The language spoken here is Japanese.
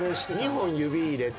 ２本指入れて。